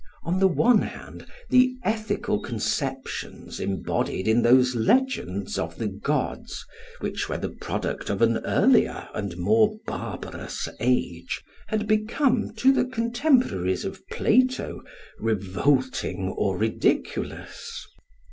On the one hand, the ethical conceptions embodied in those legends of the gods which were the product of an earlier and more barbarous age, had become to the contemporaries of Plato revolting or ridiculous.